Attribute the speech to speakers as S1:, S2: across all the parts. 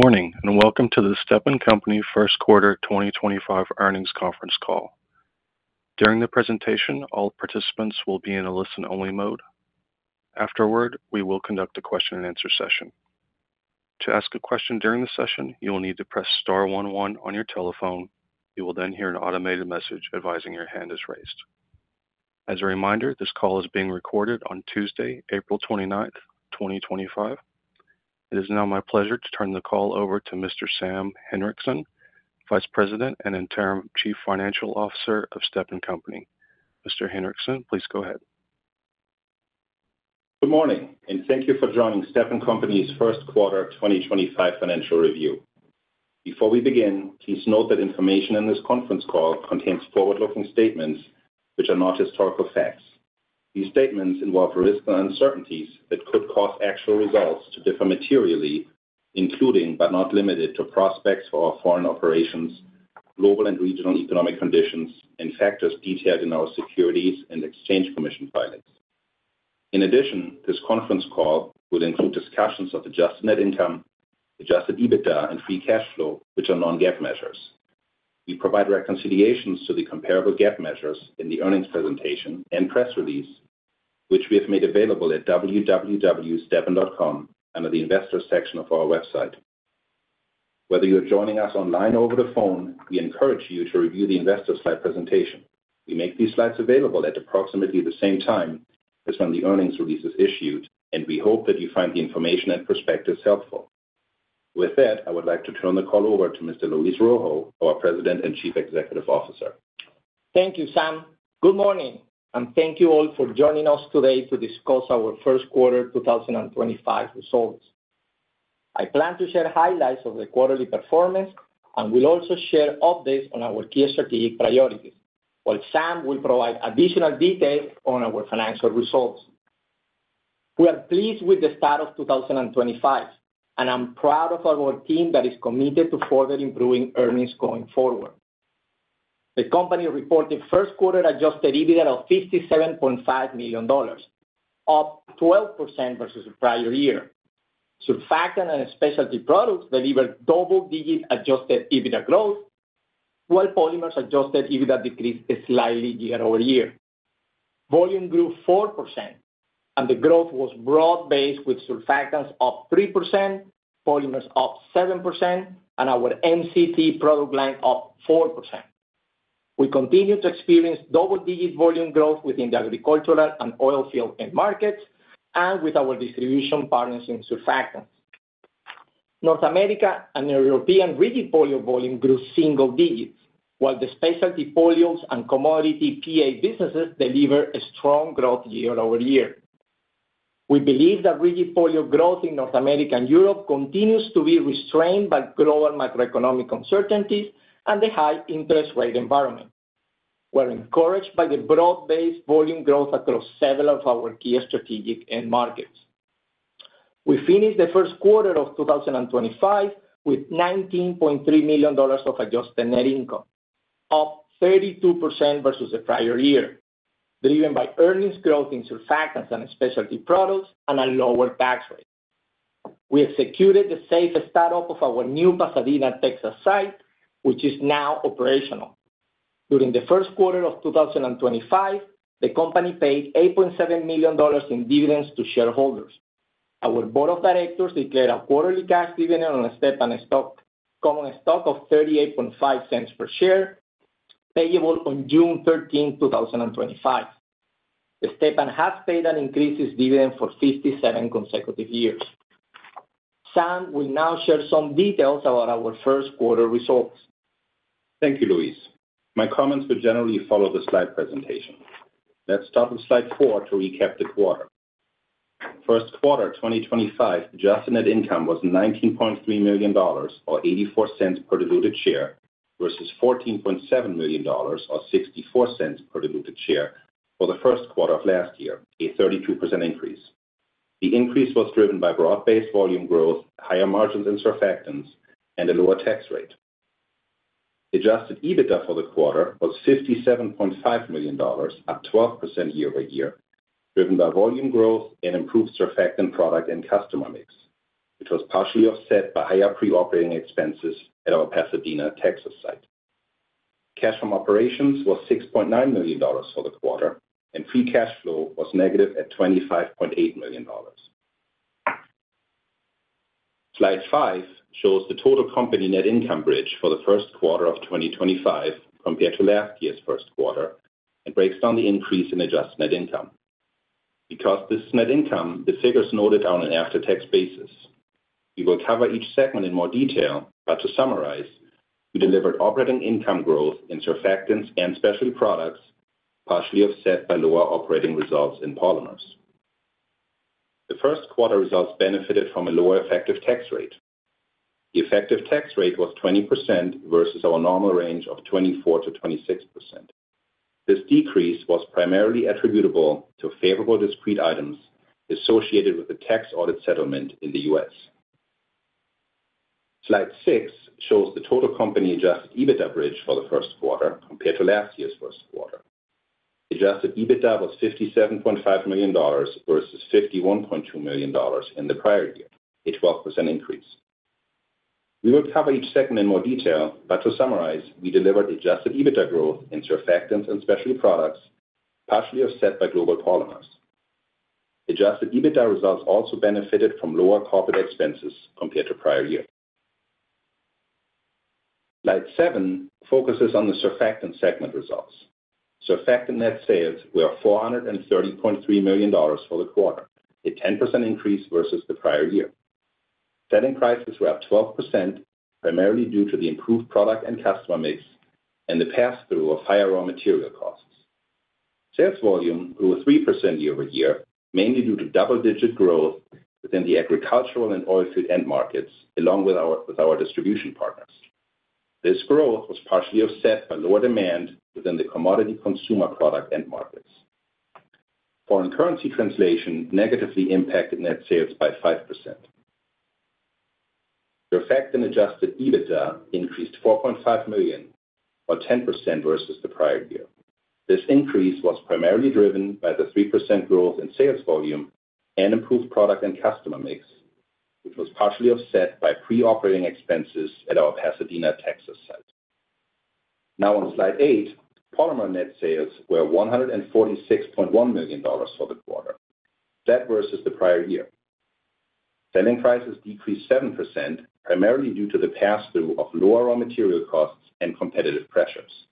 S1: Good morning and welcome to the Stepan Company first quarter 2025 earnings conference call. During the presentation, all participants will be in a listen-only mode. Afterward, we will conduct a question-and-answer session. To ask a question during the session, you will need to press star one one on your telephone. You will then hear an automated message advising your hand is raised. As a reminder, this call is being recorded on Tuesday, April 29th, 2025. It is now my pleasure to turn the call over to Mr. Sam Hinrichsen, Vice President and Interim Chief Financial Officer of Stepan Company. Mr. Hinrichsen, please go ahead.
S2: Good morning, and thank you for joining Stepan Company's first quarter 2025 financial review. Before we begin, please note that information in this conference call contains forward-looking statements which are not historical facts. These statements involve risks and uncertainties that could cause actual results to differ materially, including, but not limited to, prospects for our foreign operations, global and regional economic conditions, and factors detailed in our Securities and Exchange Commission filings. In addition, this conference call will include discussions of adjusted net income, adjusted EBITDA, and free cash flow, which are non-GAAP measures. We provide reconciliations to the comparable GAAP measures in the earnings presentation and press release, which we have made available at www.stepan.com under the investor section of our website. Whether you're joining us online or over the phone, we encourage you to review the investor slide presentation. We make these slides available at approximately the same time as when the earnings release is issued, and we hope that you find the information and perspectives helpful. With that, I would like to turn the call over to Mr. Luis Rojo, our President and Chief Executive Officer.
S3: Thank you, Sam. Good morning, and thank you all for joining us today to discuss our first quarter 2025 results. I plan to share highlights of the quarterly performance and will also share updates on our key strategic priorities, while Sam will provide additional details on our financial results. We are pleased with the start of 2025, and I'm proud of our team that is committed to further improving earnings going forward. The company reported first quarter adjusted EBITDA of $57.5 million, up 12% versus the prior year. Surfactant and specialty products delivered double-digit adjusted EBITDA growth, while polymers adjusted EBITDA decreased slightly year over year. Volume grew 4%, and the growth was broad-based with surfactants up 3%, polymers up 7%, and our MCT product line up 4%. We continue to experience double-digit volume growth within the agricultural and oilfield markets and with our distribution partners in surfactants. North America and European rigid polyol volume grew single digits, while the specialty polyols and commodity PA businesses delivered strong growth year over year. We believe that rigid polyol growth in North America and Europe continues to be restrained by global macroeconomic uncertainties and the high interest rate environment, while encouraged by the broad-based volume growth across several of our key strategic markets. We finished the first quarter of 2025 with $19.3 million of adjusted net income, up 32% versus the prior year, driven by earnings growth in surfactants and specialty products and a lower tax rate. We executed the safe start-up of our new Pasadena, Texas, site, which is now operational. During the first quarter of 2025, the company paid $8.7 million in dividends to shareholders. Our board of directors declared a quarterly cash dividend on Stepan common stock of $0.38 per share, payable on June 13, 2025. Stepan has paid and increased its dividend for 57 consecutive years. Sam will now share some details about our first quarter results.
S2: Thank you, Luis. My comments will generally follow the slide presentation. Let's start with slide four to recap the quarter. First quarter 2025, adjusted net income was $19.3 million, or $0.84 per diluted share, versus $14.7 million, or $0.64 per diluted share for the first quarter of last year, a 32% increase. The increase was driven by broad-based volume growth, higher margins in surfactants, and a lower tax rate. Adjusted EBITDA for the quarter was $57.5 million, up 12% year over year, driven by volume growth and improved surfactant product and customer mix, which was partially offset by higher pre-operating expenses at our Pasadena, Texas site. Cash from operations was $6.9 million for the quarter, and free cash flow was negative at $25.8 million. Slide five shows the total company net income bridge for the first quarter of 2025 compared to last year's first quarter and breaks down the increase in adjusted net income. Because this is net income, the figures are noted on an after-tax basis. We will cover each segment in more detail, but to summarize, we delivered operating income growth in surfactants and specialty products, partially offset by lower operating results in polymers. The first quarter results benefited from a lower effective tax rate. The effective tax rate was 20% versus our normal range of 24%-26%. This decrease was primarily attributable to favorable discrete items associated with the tax audit settlement in the U.S. Slide six shows the total company adjusted EBITDA bridge for the first quarter compared to last year's first quarter. Adjusted EBITDA was $57.5 million versus $51.2 million in the prior year, a 12% increase. We will cover each segment in more detail, but to summarize, we delivered adjusted EBITDA growth in surfactants and specialty products, partially offset by global polymers. Adjusted EBITDA results also benefited from lower corporate expenses compared to prior years. Slide seven focuses on the surfactant segment results. Surfactant net sales were $430.3 million for the quarter, a 10% increase versus the prior year. Selling prices were up 12%, primarily due to the improved product and customer mix and the pass-through of higher raw material costs. Sales volume grew 3% year over year, mainly due to double-digit growth within the agricultural and oilfield end markets, along with our distribution partners. This growth was partially offset by lower demand within the commodity consumer product end markets. Foreign currency translation negatively impacted net sales by 5%. Surfactant adjusted EBITDA increased $4.5 million, or 10% versus the prior year. This increase was primarily driven by the 3% growth in sales volume and improved product and customer mix, which was partially offset by pre-operating expenses at our Pasadena, Texas site. Now, on slide eight, polymer net sales were $146.1 million for the quarter, flat versus the prior year. Selling prices decreased 7%, primarily due to the pass-through of lower raw material costs and competitive pressures.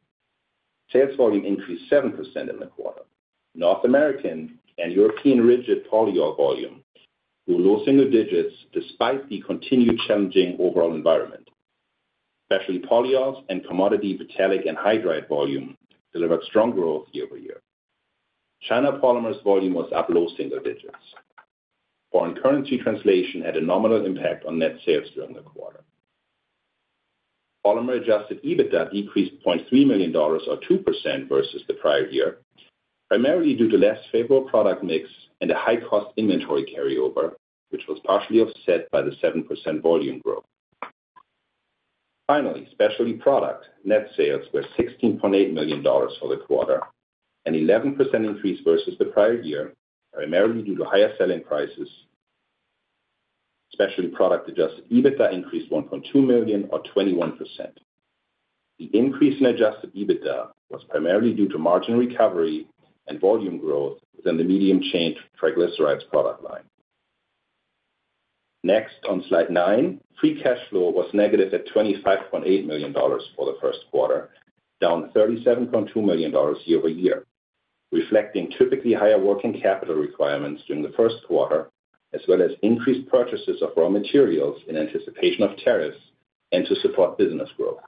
S2: Sales volume increased 7% in the quarter. North American and European rigid polyol volume grew low single digits despite the continued challenging overall environment. Specialty polyols and commodity phthalic anhydride volume delivered strong growth year over year. China Polymers volume was up low single digits. Foreign currency translation had a nominal impact on net sales during the quarter. Polymer adjusted EBITDA decreased $0.3 million, or 2% versus the prior year, primarily due to less favorable product mix and a high-cost inventory carryover, which was partially offset by the 7% volume growth. Finally, specialty product net sales were $16.8 million for the quarter, an 11% increase versus the prior year, primarily due to higher selling prices. Specialty product adjusted EBITDA increased $1.2 million, or 21%. The increase in adjusted EBITDA was primarily due to margin recovery and volume growth within the medium-chain triglycerides product line. Next, on slide nine, free cash flow was negative at $25.8 million for the first quarter, down $37.2 million year over year, reflecting typically higher working capital requirements during the first quarter, as well as increased purchases of raw materials in anticipation of tariffs and to support business growth.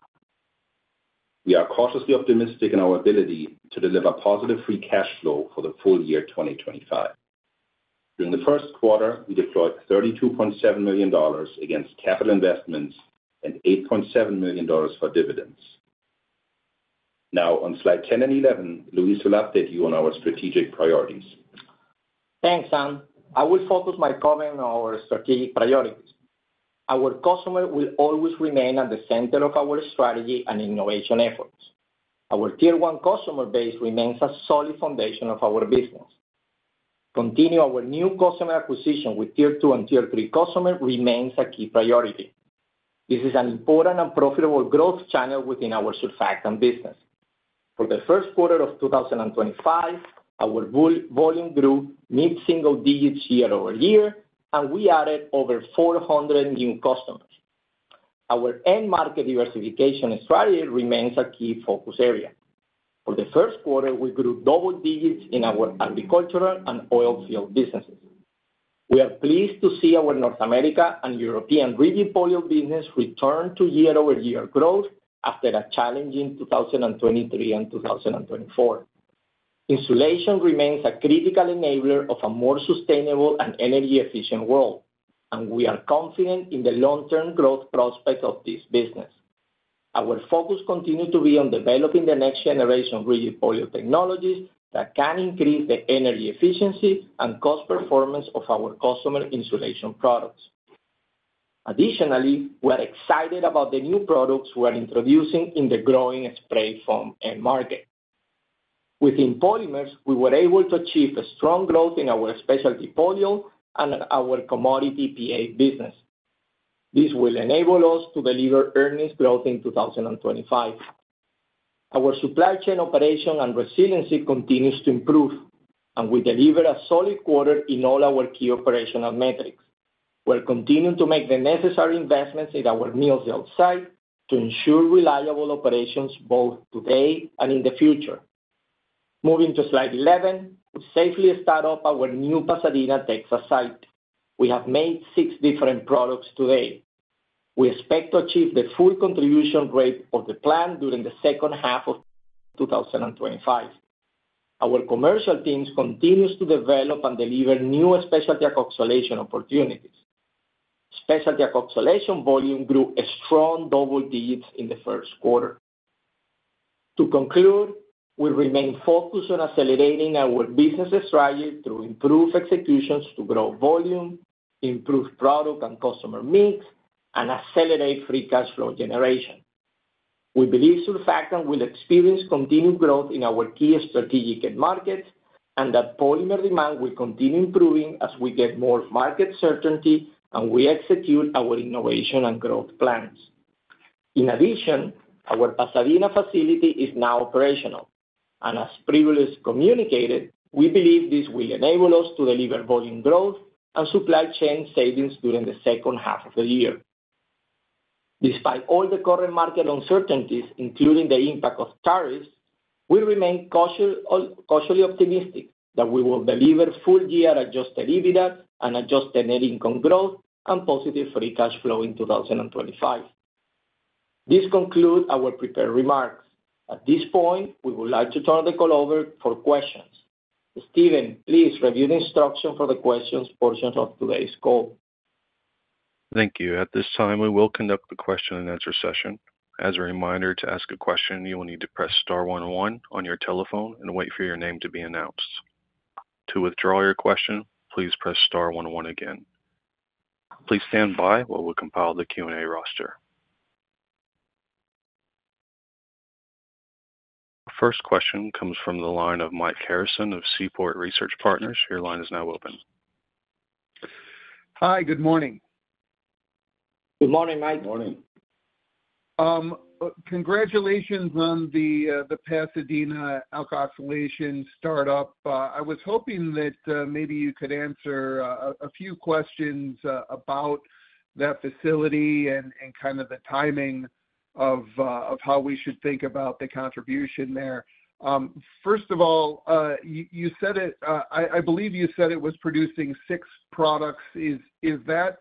S2: We are cautiously optimistic in our ability to deliver positive free cash flow for the full year 2025. During the first quarter, we deployed $32.7 million against capital investments and $8.7 million for dividends. Now, on slide 10 and 11, Luis will update you on our strategic priorities.
S3: Thanks, Sam. I will focus my comment on our strategic priorities. Our customer will always remain at the center of our strategy and innovation efforts. Our Tier 1 customer base remains a solid foundation of our business. Continuing our new customer acquisition with Tier 2 and Tier 3 customers remains a key priority. This is an important and profitable growth channel within our surfactant business. For the first quarter of 2025, our volume grew mid-single digits year over year, and we added over 400 new customers. Our end market diversification strategy remains a key focus area. For the first quarter, we grew double digits in our agricultural and oil field businesses. We are pleased to see our North America and European rigid polyol business return to year-over-year growth after a challenging 2023 and 2024. Insulation remains a critical enabler of a more sustainable and energy-efficient world, and we are confident in the long-term growth prospects of this business. Our focus continues to be on developing the next generation rigid polyol technologies that can increase the energy efficiency and cost performance of our customer insulation products. Additionally, we are excited about the new products we are introducing in the growing spray foam end market. Within polymers, we were able to achieve strong growth in our specialty polyol and our commodity PA business. This will enable us to deliver earnings growth in 2025. Our supply chain operation and resiliency continues to improve, and we delivered a solid quarter in all our key operational metrics. We will continue to make the necessary investments in our Millsdale site to ensure reliable operations both today and in the future. Moving to slide 11, we safely start up our new Pasadena, Texas site. We have made six different products to date. We expect to achieve the full contribution rate of the plant during the second half of 2025. Our commercial teams continue to develop and deliver new specialty ethoxylation opportunities. Specialty ethoxylation volume grew a strong double digits in the first quarter. To conclude, we remain focused on accelerating our business strategy through improved execution to grow volume, improve product and customer mix, and accelerate free cash flow generation. We believe surfactants will experience continued growth in our key strategic markets and that polymer demand will continue improving as we get more market certainty and we execute our innovation and growth plans. In addition, our Pasadena facility is now operational, and as previously communicated, we believe this will enable us to deliver volume growth and supply chain savings during the second half of the year. Despite all the current market uncertainties, including the impact of tariffs, we remain cautiously optimistic that we will deliver full-year adjusted EBITDA and adjusted net income growth and positive free cash flow in 2025. This concludes our prepared remarks. At this point, we would like to turn the call over for questions. Steven, please review the instructions for the questions portion of today's call.
S1: Thank you. At this time, we will conduct the question-and-answer session. As a reminder, to ask a question, you will need to press star one one on your telephone and wait for your name to be announced. To withdraw your question, please press star one one again. Please stand by while we compile the Q&A roster. Our first question comes from the line of Mike Harrison of Seaport Research Partners. Your line is now open.
S4: Hi, good morning.
S3: Good morning, Mike.
S2: Good morning.
S4: Congratulations on the Pasadena ethoxylation start-up. I was hoping that maybe you could answer a few questions about that facility and kind of the timing of how we should think about the contribution there. First of all, you said it, I believe you said it was producing six products. Is that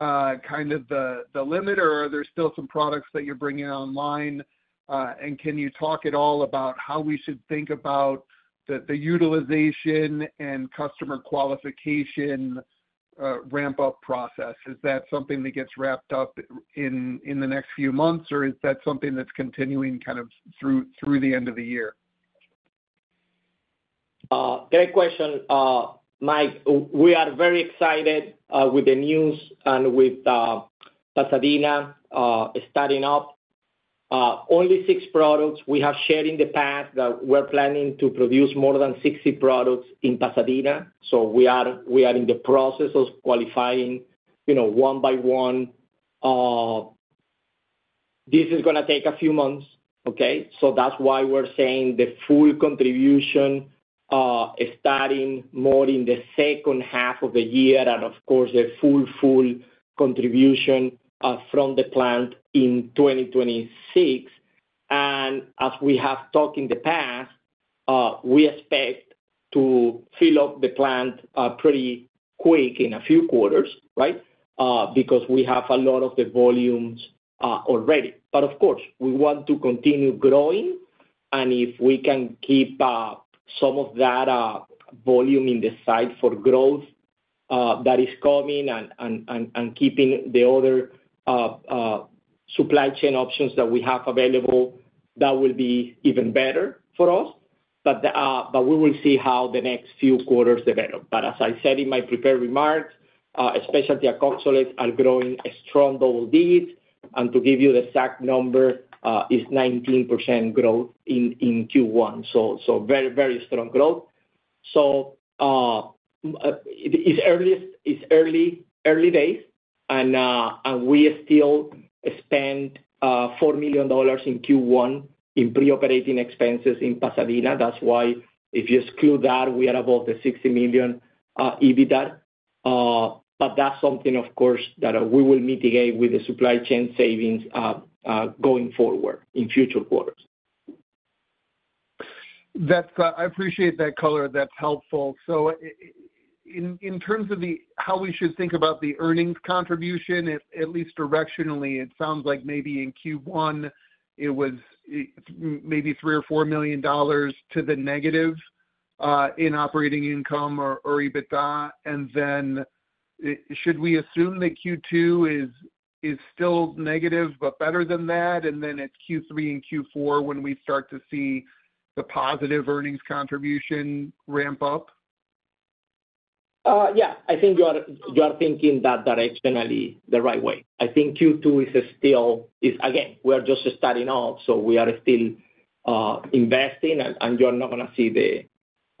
S4: kind of the limit, or are there still some products that you're bringing online? Can you talk at all about how we should think about the utilization and customer qualification ramp-up process? Is that something that gets wrapped up in the next few months, or is that something that's continuing kind of through the end of the year?
S3: Great question, Mike. We are very excited with the news and with Pasadena starting up. Only six products. We have shared in the past that we're planning to produce more than 60 products in Pasadena. We are in the process of qualifying one by one. This is going to take a few months, okay? That is why we're saying the full contribution starting more in the second half of the year and, of course, a full, full contribution from the plant in 2026. As we have talked in the past, we expect to fill up the plant pretty quick in a few quarters, right, because we have a lot of the volumes already. Of course, we want to continue growing, and if we can keep some of that volume in the site for growth that is coming and keeping the other supply chain options that we have available, that will be even better for us. We will see how the next few quarters develop. As I said in my prepared remarks, specialty ethoxylates are growing a strong double digits, and to give you the exact number, it is 19% growth in Q1. Very, very strong growth. It is early days, and we still spend $4 million in Q1 in pre-operating expenses in Pasadena. That is why if you exclude that, we are above the $60 million EBITDA. That is something, of course, that we will mitigate with the supply chain savings going forward in future quarters.
S4: I appreciate that color. That's helpful. In terms of how we should think about the earnings contribution, at least directionally, it sounds like maybe in Q1 it was maybe $3 million or $4 million to the negative in operating income or EBITDA. Should we assume that Q2 is still negative but better than that, and then it's Q3 and Q4 when we start to see the positive earnings contribution ramp up?
S3: Yeah, I think you are thinking that directionally the right way. I think Q2 is still, again, we are just starting off, so we are still investing, and you are not going to see the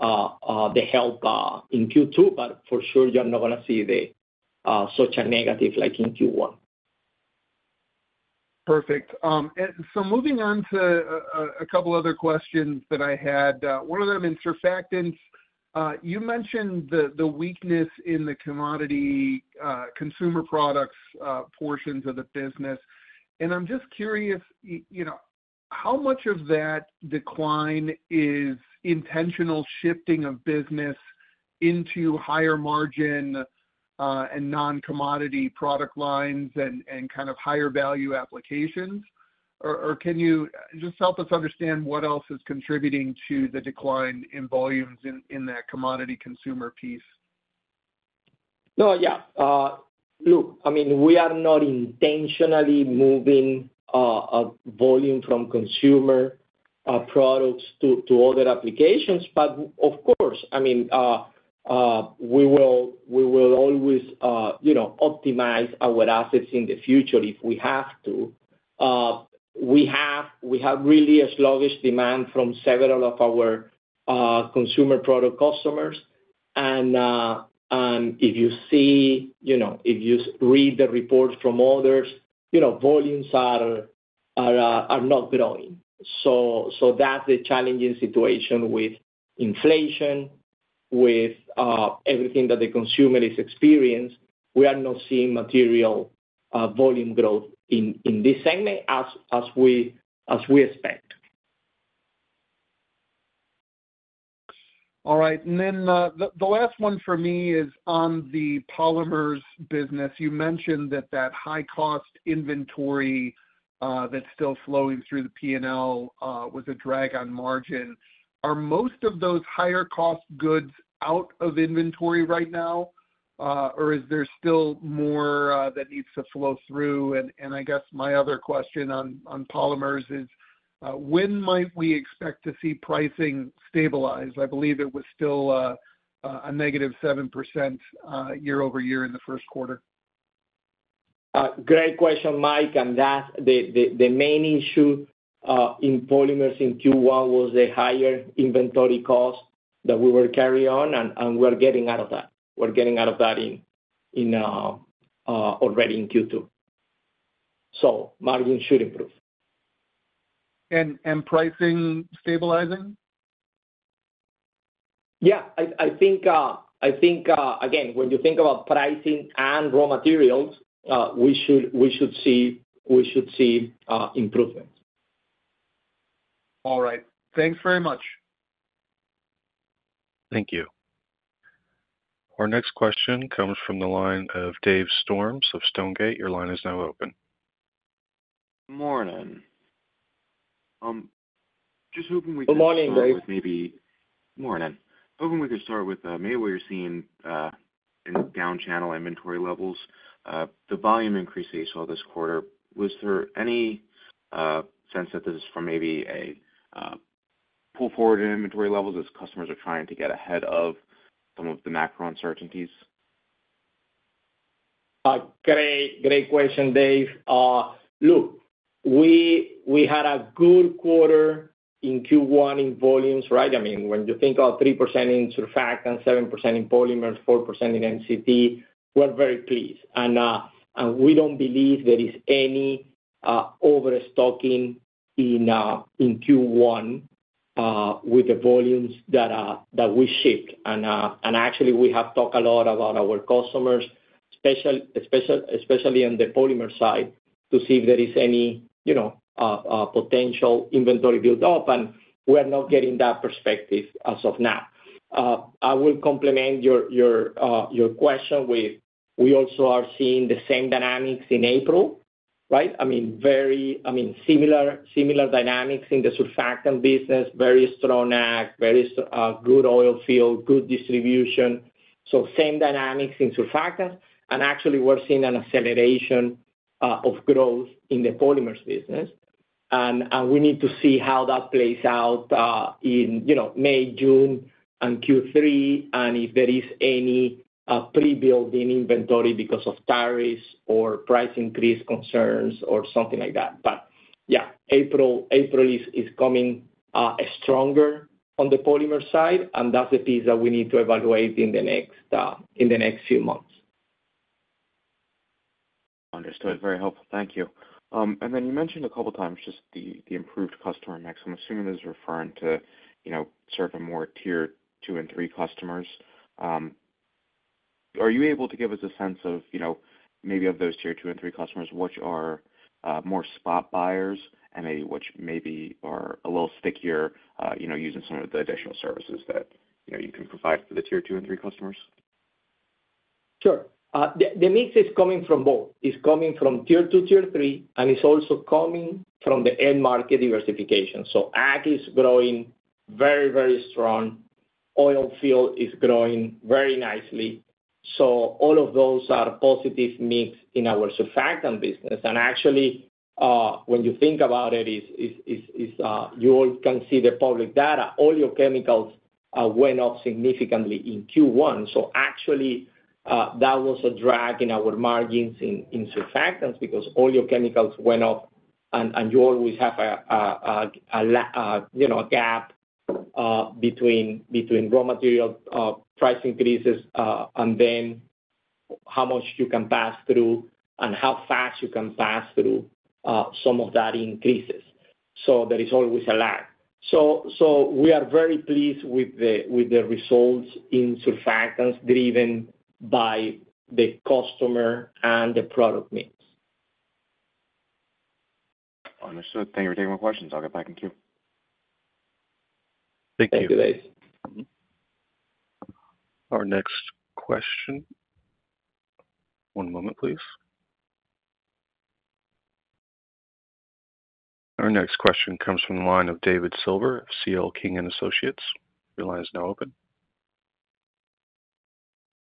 S3: help in Q2, but for sure, you are not going to see such a negative like in Q1.
S4: Perfect. Moving on to a couple of other questions that I had. One of them in surfactants, you mentioned the weakness in the commodity consumer products portions of the business. I'm just curious how much of that decline is intentional shifting of business into higher margin and non-commodity product lines and kind of higher value applications? Can you just help us understand what else is contributing to the decline in volumes in that commodity consumer piece?
S3: Yeah, look, I mean, we are not intentionally moving volume from consumer products to other applications, but of course, I mean, we will always optimize our assets in the future if we have to. We have really a sluggish demand from several of our consumer product customers. And if you see, if you read the reports from others, volumes are not growing. That's the challenging situation with inflation, with everything that the consumer is experiencing. We are not seeing material volume growth in this segment as we expect.
S4: All right. The last one for me is on the polymers business. You mentioned that that high-cost inventory that's still flowing through the P&L was a drag on margin. Are most of those higher-cost goods out of inventory right now, or is there still more that needs to flow through? I guess my other question on polymers is, when might we expect to see pricing stabilize? I believe it was still a negative 7% year over year in the first quarter.
S3: Great question, Mike. The main issue in polymers in Q1 was the higher inventory cost that we were carrying on, and we are getting out of that. We are getting out of that already in Q2. Margins should improve.
S4: Is pricing stabilizing?
S3: Yeah. I think, again, when you think about pricing and raw materials, we should see improvements.
S4: All right. Thanks very much.
S1: Thank you. Our next question comes from the line of Dave Storms of Stonegate. Your line is now open.
S5: Good morning. Just hoping we could start with.
S3: Good morning, Dave.
S5: Maybe morning. Hoping we could start with maybe what you're seeing in down channel inventory levels, the volume increase that you saw this quarter. Was there any sense that this is from maybe a pull-forward in inventory levels as customers are trying to get ahead of some of the macro uncertainties?
S3: Great question, Dave. Look, we had a good quarter in Q1 in volumes, right? I mean, when you think about 3% in surfactants, 7% in polymers, 4% in MCT, we're very pleased. We don't believe there is any overstocking in Q1 with the volumes that we shipped. Actually, we have talked a lot about our customers, especially on the polymer side, to see if there is any potential inventory build-up. We are not getting that perspective as of now. I will complement your question with we also are seeing the same dynamics in April, right? I mean, similar dynamics in the surfactant business, very strong Ag, very good oil field, good distribution. Same dynamics in surfactants. Actually, we're seeing an acceleration of growth in the polymers business. We need to see how that plays out in May, June, and Q3, and if there is any pre-build in inventory because of tariffs or price increase concerns or something like that. Yeah, April is coming stronger on the polymer side, and that's the piece that we need to evaluate in the next few months.
S5: Understood. Very helpful. Thank you. You mentioned a couple of times just the improved customer mix. I'm assuming this is referring to sort of more tier two and three customers. Are you able to give us a sense of maybe of those tier two and three customers, which are more spot buyers and maybe which maybe are a little stickier using some of the additional services that you can provide for the tier two and three customers?
S3: Sure. The mix is coming from both. It's coming from tier two, tier three, and it's also coming from the end market diversification. Ag is growing very, very strong. Oil field is growing very nicely. All of those are positive mix in our surfactant business. Actually, when you think about it, you all can see the public data. Oleochemicals went up significantly in Q1. That was a drag in our margins in surfactants because oleochemicals went up, and you always have a gap between raw material price increases and then how much you can pass through and how fast you can pass through some of that increases. There is always a lag. We are very pleased with the results in surfactants driven by the customer and the product mix.
S5: Understood. Thank you for taking my questions. I'll get back in Q.
S1: Thank you.
S5: Thank you, Dave.
S1: Our next question. One moment, please. Our next question comes from the line of David Silver of CL King & Associates. Your line is now open.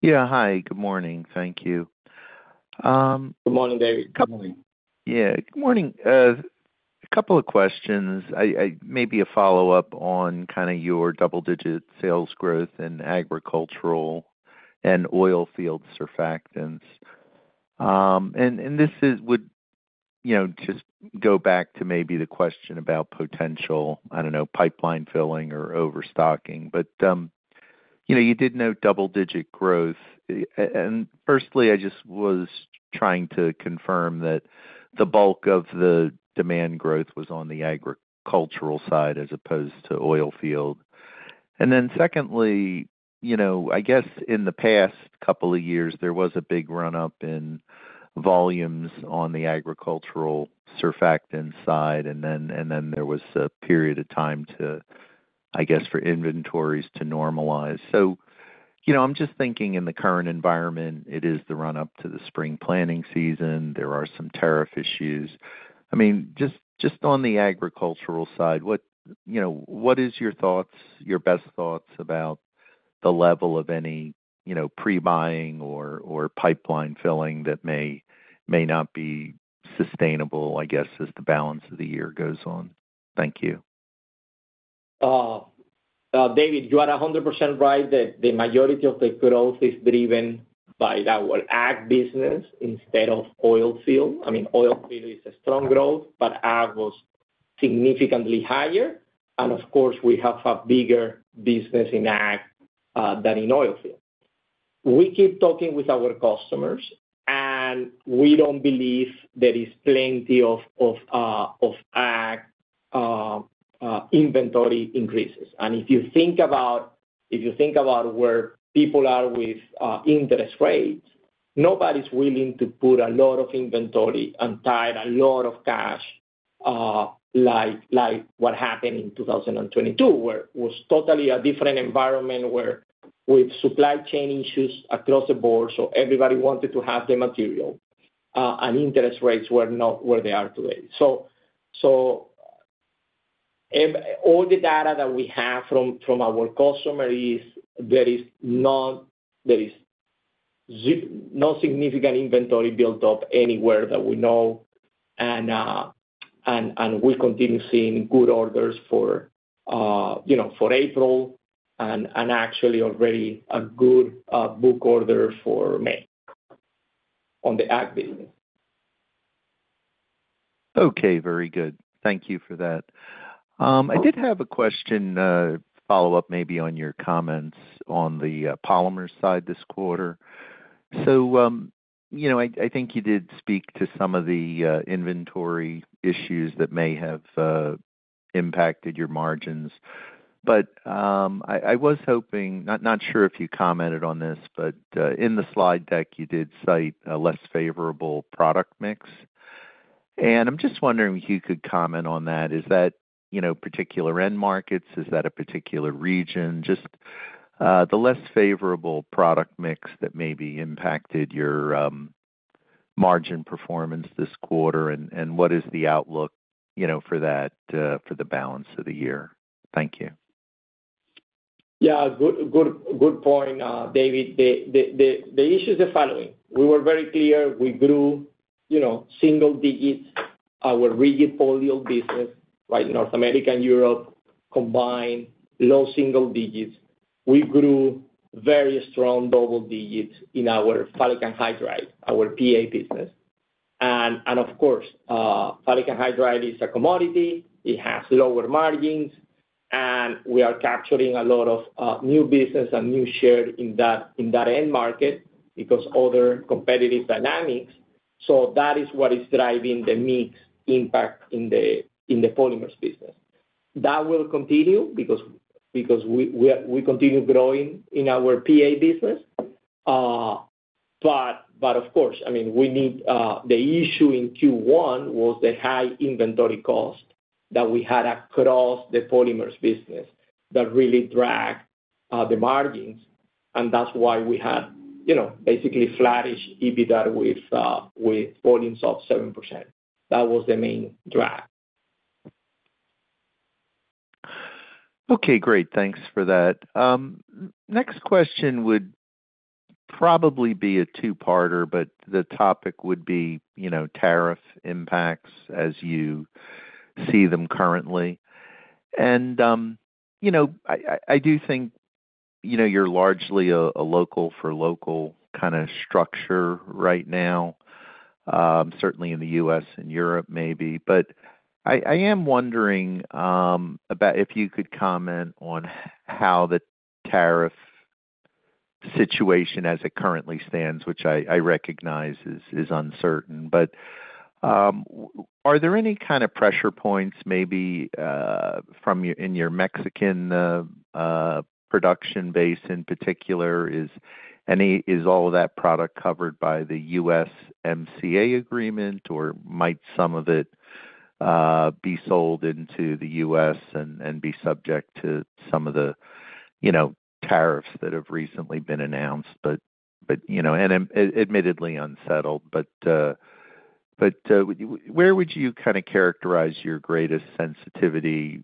S6: Yeah. Hi. Good morning. Thank you.
S3: Good morning, David.
S2: Good morning.
S6: Yeah. Good morning. A couple of questions, maybe a follow-up on kind of your double-digit sales growth in agricultural and oil field surfactants. This would just go back to maybe the question about potential, I don't know, pipeline filling or overstocking. You did note double-digit growth. Firstly, I just was trying to confirm that the bulk of the demand growth was on the agricultural side as opposed to oil field. Secondly, I guess in the past couple of years, there was a big run-up in volumes on the agricultural surfactant side, and then there was a period of time, I guess, for inventories to normalize. I'm just thinking in the current environment, it is the run-up to the spring planting season. There are some tariff issues. I mean, just on the agricultural side, what is your thoughts, your best thoughts about the level of any pre-buying or pipeline filling that may not be sustainable, I guess, as the balance of the year goes on? Thank you.
S3: David, you are 100% right that the majority of the growth is driven by our ag business instead of oil field. I mean, oil field is a strong growth, but ag was significantly higher. Of course, we have a bigger business in ag than in oil field. We keep talking with our customers, and we do not believe there is plenty of ag inventory increases. If you think about where people are with interest rates, nobody is willing to put a lot of inventory and tie a lot of cash like what happened in 2022, where it was totally a different environment with supply chain issues across the board. Everybody wanted to have the material, and interest rates were not where they are today. All the data that we have from our customer is there is no significant inventory built up anywhere that we know, and we continue seeing good orders for April and actually already a good book order for May on the ag business.
S6: Okay. Very good. Thank you for that. I did have a question, follow-up maybe on your comments on the polymer side this quarter. I think you did speak to some of the inventory issues that may have impacted your margins. I was hoping, not sure if you commented on this, but in the slide deck, you did cite a less favorable product mix. I am just wondering if you could comment on that. Is that particular end markets? Is that a particular region? Just the less favorable product mix that maybe impacted your margin performance this quarter, and what is the outlook for that for the balance of the year? Thank you.
S3: Yeah. Good point, David. The issues are following. We were very clear. We grew single digits. Our rigid polyol business, right, North America and Europe combined, low single digits. We grew very strong double digits in our phthalic anhydride, our PA business. Of course, phthalic anhydride is a commodity. It has lower margins, and we are capturing a lot of new business and new share in that end market because of other competitive dynamics. That is what is driving the mix impact in the polymers business. That will continue because we continue growing in our PA business. I mean, the issue in Q1 was the high inventory cost that we had across the polymers business that really dragged the margins. That is why we had basically flattish EBITDA with volumes of 7%. That was the main drag.
S6: Okay. Great. Thanks for that. Next question would probably be a two-parter, but the topic would be tariff impacts as you see them currently. I do think you're largely a local-for-local kind of structure right now, certainly in the U.S. and Europe maybe. I am wondering if you could comment on how the tariff situation as it currently stands, which I recognize is uncertain. Are there any kind of pressure points maybe in your Mexican production base in particular? Is all of that product covered by the USMCA agreement, or might some of it be sold into the U.S. and be subject to some of the tariffs that have recently been announced? Admittedly unsettled. Where would you kind of characterize your greatest sensitivity,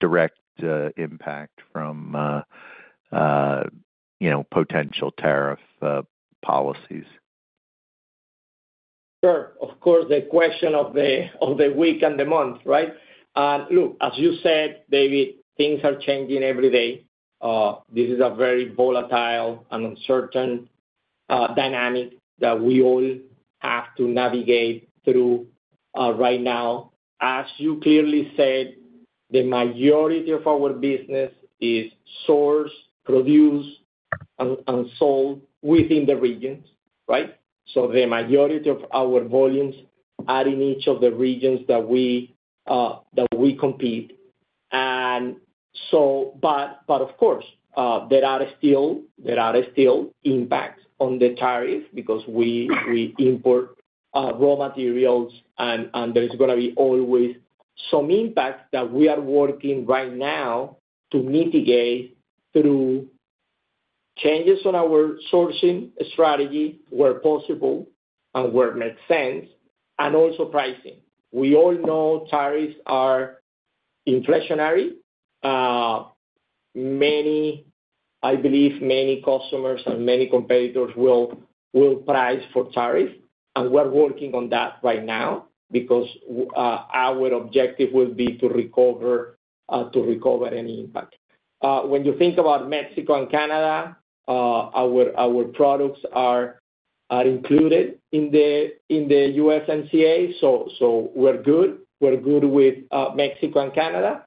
S6: direct impact from potential tariff policies?
S3: Sure. Of course, the question of the week and the month, right? Look, as you said, David, things are changing every day. This is a very volatile and uncertain dynamic that we all have to navigate through right now. As you clearly said, the majority of our business is sourced, produced, and sold within the regions, right? The majority of our volumes are in each of the regions that we compete. Of course, there are still impacts on the tariff because we import raw materials, and there is going to be always some impact that we are working right now to mitigate through changes on our sourcing strategy where possible and where it makes sense, and also pricing. We all know tariffs are inflationary. I believe many customers and many competitors will price for tariff. We're working on that right now because our objective will be to recover any impact. When you think about Mexico and Canada, our products are included in the USMCA. We're good. We're good with Mexico and Canada.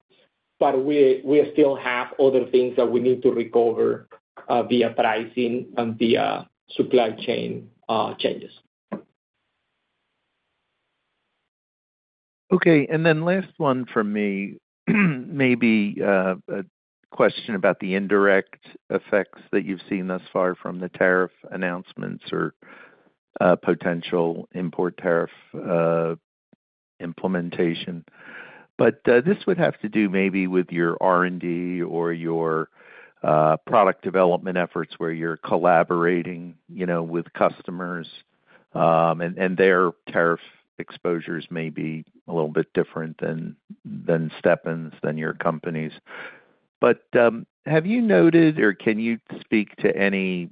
S3: We still have other things that we need to recover via pricing and via supply chain changes.
S6: Okay. Last one for me, maybe a question about the indirect effects that you've seen thus far from the tariff announcements or potential import tariff implementation. This would have to do maybe with your R&D or your product development efforts where you're collaborating with customers, and their tariff exposures may be a little bit different than Stepan, than your company's. Have you noted or can you speak to any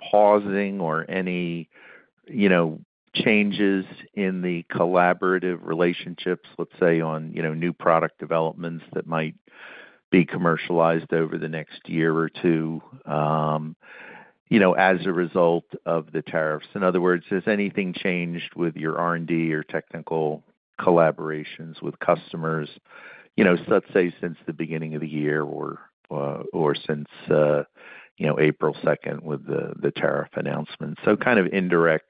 S6: pausing or any changes in the collaborative relationships, let's say, on new product developments that might be commercialized over the next year or two as a result of the tariffs? In other words, has anything changed with your R&D or technical collaborations with customers, let's say, since the beginning of the year or since April 2 with the tariff announcements? Kind of indirect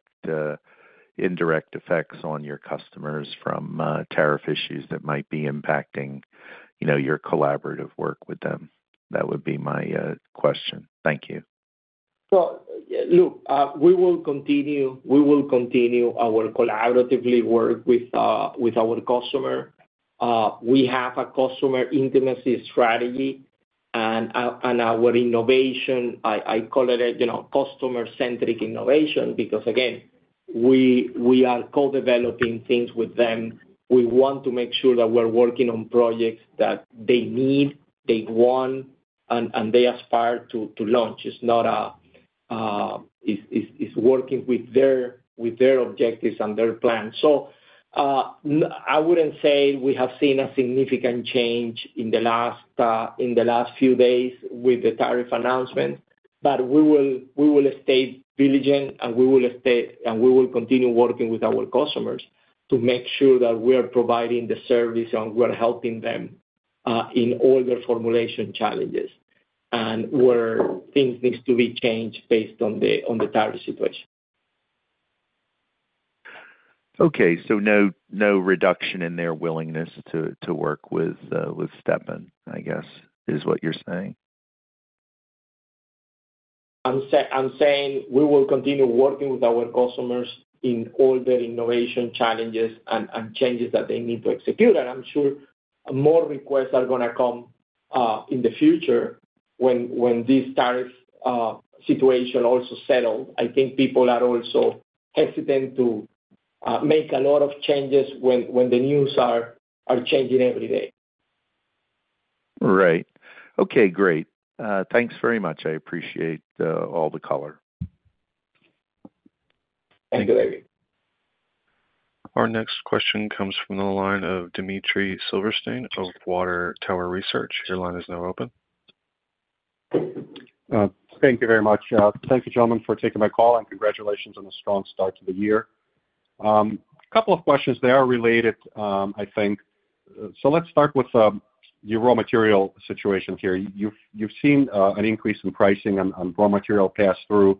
S6: effects on your customers from tariff issues that might be impacting your collaborative work with them. That would be my question. Thank you.
S3: Look, we will continue our collaborative work with our customer. We have a customer intimacy strategy, and our innovation, I call it customer-centric innovation because, again, we are co-developing things with them. We want to make sure that we're working on projects that they need, they want, and they aspire to launch. It's working with their objectives and their plans. I wouldn't say we have seen a significant change in the last few days with the tariff announcement, but we will stay diligent, and we will continue working with our customers to make sure that we are providing the service and we're helping them in all their formulation challenges and where things need to be changed based on the tariff situation.
S6: Okay. No reduction in their willingness to work with Stepan, I guess, is what you're saying?
S3: I'm saying we will continue working with our customers in all their innovation challenges and changes that they need to execute. I'm sure more requests are going to come in the future when this tariff situation also settles. I think people are also hesitant to make a lot of changes when the news are changing every day.
S6: Right. Okay. Great. Thanks very much. I appreciate all the color.
S3: Thank you, David.
S1: Our next question comes from the line of Dmitry Silversteyn of Water Tower Research. Your line is now open.
S7: Thank you very much. Thank you, gentlemen, for taking my call, and congratulations on a strong start to the year. A couple of questions. They are related, I think. Let's start with the raw material situation here. You've seen an increase in pricing on raw material pass-through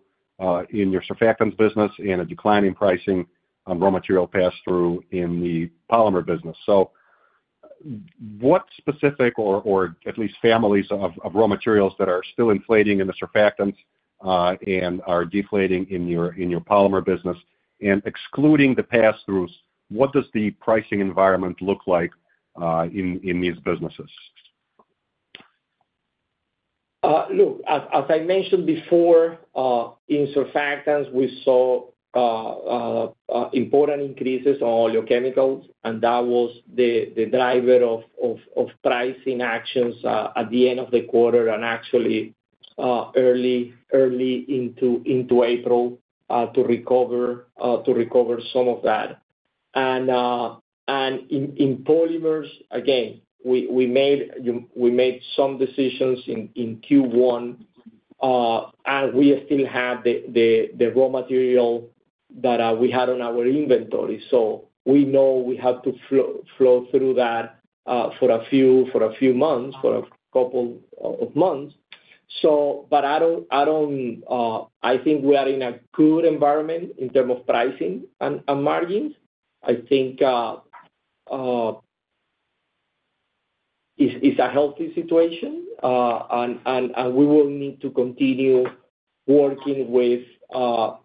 S7: in your surfactants business and a decline in pricing on raw material pass-through in the polymer business. What specific or at least families of raw materials are still inflating in the surfactants and are deflating in your polymer business? Excluding the pass-throughs, what does the pricing environment look like in these businesses?
S3: Look, as I mentioned before, in surfactants, we saw important increases on oleochemicals, and that was the driver of pricing actions at the end of the quarter and actually early into April to recover some of that. In polymers, again, we made some decisions in Q1, and we still have the raw material that we had on our inventory. We know we have to flow through that for a few months, for a couple of months. I think we are in a good environment in terms of pricing and margins. I think it's a healthy situation, and we will need to continue working with how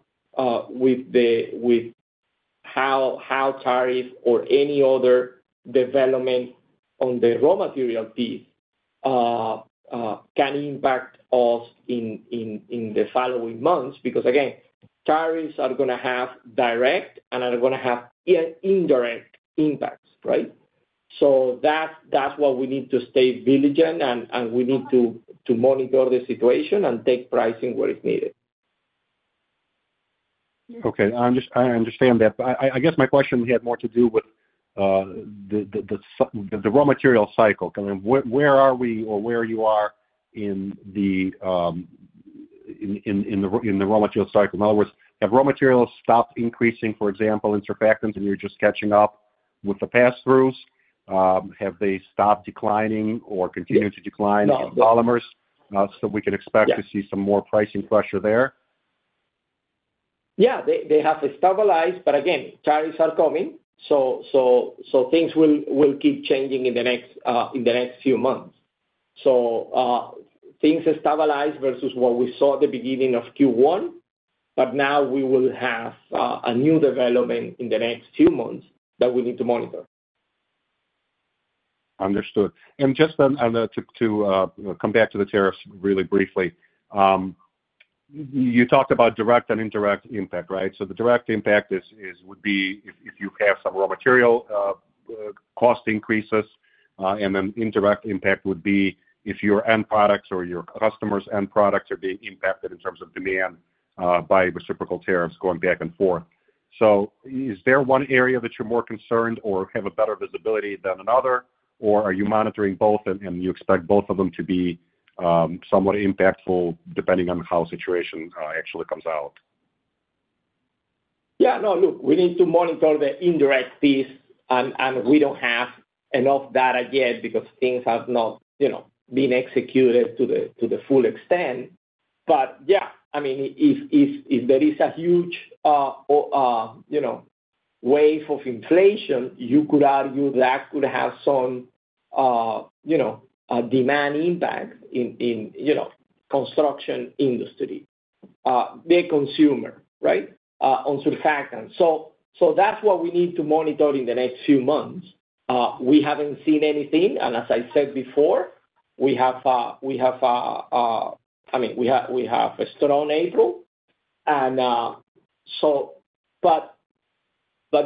S3: tariff or any other development on the raw material piece can impact us in the following months because, again, tariffs are going to have direct and are going to have indirect impacts, right? That's why we need to stay diligent, and we need to monitor the situation and take pricing where it's needed.
S7: Okay. I understand that. I guess my question had more to do with the raw material cycle. Where are we or where you are in the raw material cycle? In other words, have raw materials stopped increasing, for example, in surfactants, and you're just catching up with the pass-throughs? Have they stopped declining or continued to decline in polymers so we can expect to see some more pricing pressure there?
S3: Yeah. They have stabilized. Again, tariffs are coming, so things will keep changing in the next few months. Things stabilize versus what we saw at the beginning of Q1, but now we will have a new development in the next few months that we need to monitor.
S7: Understood. Just to come back to the tariffs really briefly, you talked about direct and indirect impact, right? The direct impact would be if you have some raw material cost increases, and then indirect impact would be if your end products or your customers' end products are being impacted in terms of demand by reciprocal tariffs going back and forth. Is there one area that you're more concerned or have better visibility than another, or are you monitoring both, and you expect both of them to be somewhat impactful depending on how the situation actually comes out?
S3: Yeah. No, look, we need to monitor the indirect piece, and we do not have enough data yet because things have not been executed to the full extent. Yeah, I mean, if there is a huge wave of inflation, you could argue that could have some demand impact in the construction industry, the consumer, right, on surfactants. That is what we need to monitor in the next few months. We have not seen anything. As I said before, we have a—I mean, we have a storm in April.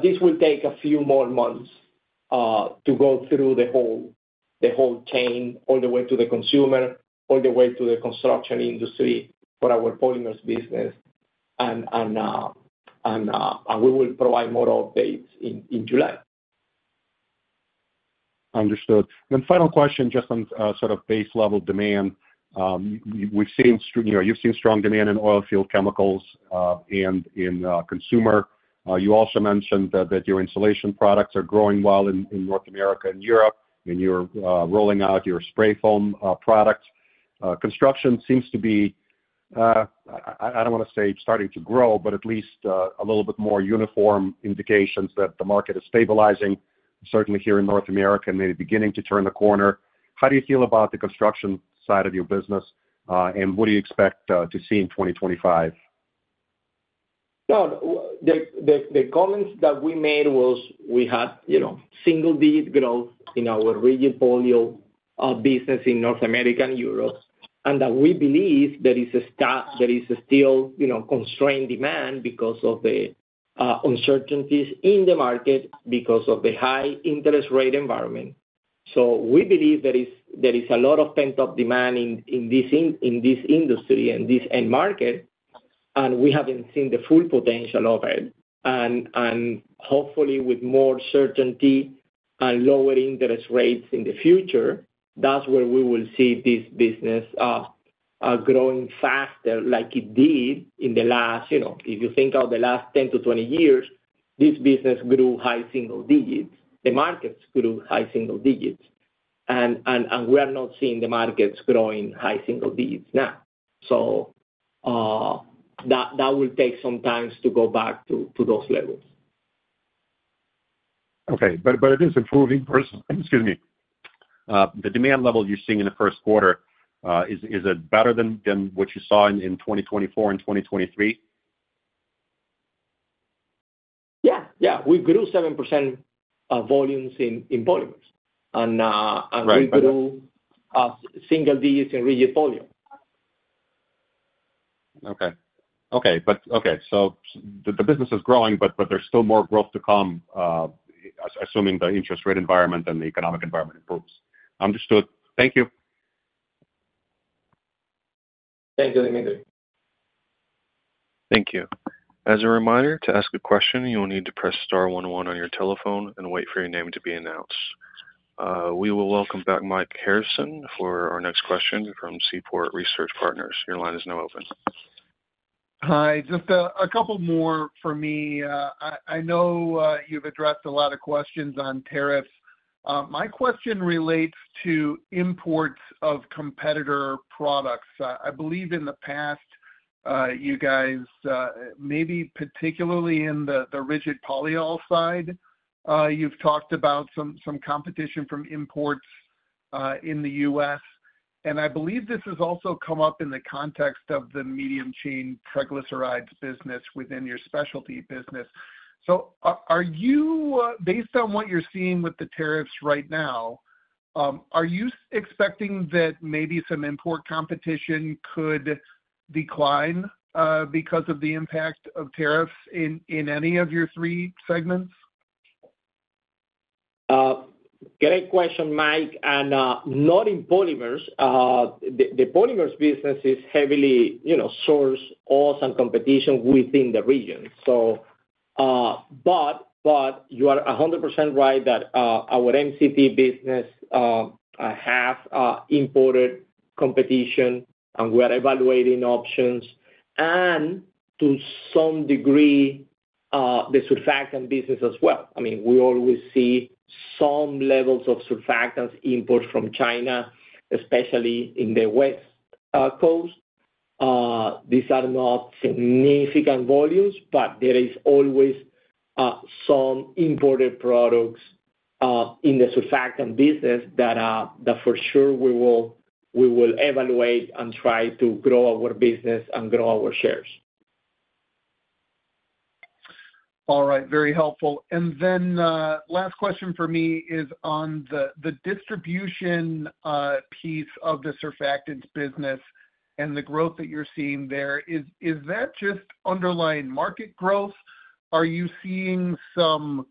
S3: This will take a few more months to go through the whole chain all the way to the consumer, all the way to the construction industry for our polymers business. We will provide more updates in July.
S7: Understood. Final question, just on sort of base-level demand. You've seen strong demand in oil field chemicals and in consumer. You also mentioned that your insulation products are growing well in North America and Europe, and you're rolling out your spray foam products. Construction seems to be—I don't want to say starting to grow, but at least a little bit more uniform indications that the market is stabilizing, certainly here in North America and maybe beginning to turn the corner. How do you feel about the construction side of your business, and what do you expect to see in 2025?
S3: No, the comments that we made was we had single-digit growth in our rigid polyol business in North America and Europe, and that we believe there is still constrained demand because of the uncertainties in the market, because of the high interest rate environment. We believe there is a lot of pent-up demand in this industry and this end market, and we haven't seen the full potential of it. Hopefully, with more certainty and lower interest rates in the future, that's where we will see this business growing faster like it did in the last—if you think about the last 10 to 20 years, this business grew high single digits. The markets grew high single digits, and we are not seeing the markets growing high single digits now. That will take some time to go back to those levels.
S7: Okay. It is improving, excuse me. The demand level you're seeing in the first quarter, is it better than what you saw in 2024 and 2023?
S3: Yeah. Yeah. We grew 7% volumes in polymers, and we grew single digits in rigid polyol.
S7: Okay. Okay. The business is growing, but there's still more growth to come, assuming the interest rate environment and the economic environment improves. Understood. Thank you.
S3: Thank you, Dmitry.
S1: Thank you. As a reminder, to ask a question, you'll need to press star one one on your telephone and wait for your name to be announced. We will welcome back Mike Harrison for our next question from Seaport Research Partners. Your line is now open.
S4: Hi. Just a couple more for me. I know you've addressed a lot of questions on tariffs. My question relates to imports of competitor products. I believe in the past, you guys, maybe particularly in the rigid polyol side, you've talked about some competition from imports in the U.S. And I believe this has also come up in the context of the medium-chain triglycerides business within your specialty business. Based on what you're seeing with the tariffs right now, are you expecting that maybe some import competition could decline because of the impact of tariffs in any of your three segments?
S3: Great question, Mike. Not in polymers. The polymers business is heavily sourced also on competition within the region. You are 100% right that our MCT business has imported competition, and we are evaluating options. To some degree, the surfactant business as well. I mean, we always see some levels of surfactants imports from China, especially in the West Coast. These are not significant volumes, but there is always some imported products in the surfactant business that for sure we will evaluate and try to grow our business and grow our shares.
S4: All right. Very helpful. Last question for me is on the distribution piece of the surfactants business and the growth that you're seeing there. Is that just underlying market growth? Are you seeing some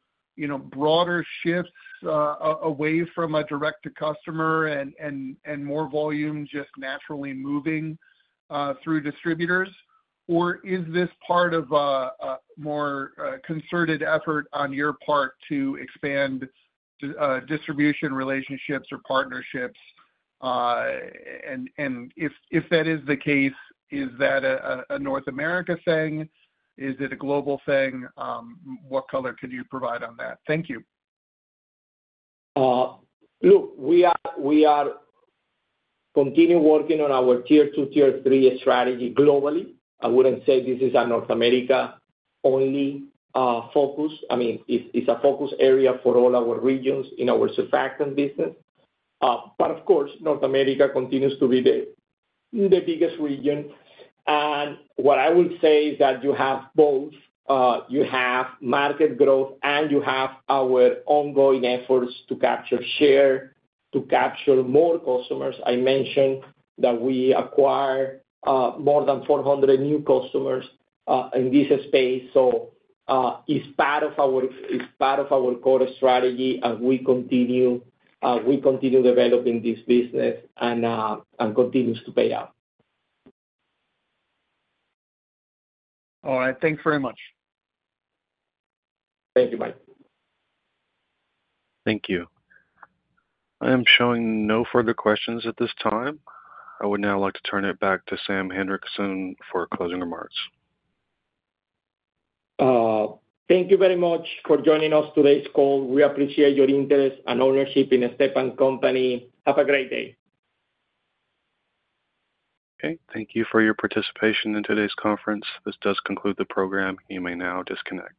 S4: broader shifts away from a direct-to-customer and more volume just naturally moving through distributors? Or is this part of a more concerted effort on your part to expand distribution relationships or partnerships? If that is the case, is that a North America thing? Is it a global thing? What color can you provide on that? Thank you.
S3: Look, we are continuing working on our tier two, tier three strategy globally. I wouldn't say this is a North America-only focus. I mean, it's a focus area for all our regions in our surfactant business. Of course, North America continues to be the biggest region. What I would say is that you have both. You have market growth, and you have our ongoing efforts to capture share, to capture more customers. I mentioned that we acquire more than 400 new customers in this space. It's part of our core strategy, and we continue developing this business, and it continues to pay out.
S4: All right. Thanks very much.
S3: Thank you, Mike.
S1: Thank you. I am showing no further questions at this time. I would now like to turn it back to Sam Hinrichsen for closing remarks.
S3: Thank you very much for joining us on today's call. We appreciate your interest and ownership in Stepan Company. Have a great day.
S1: Okay. Thank you for your participation in today's conference. This does conclude the program. You may now disconnect.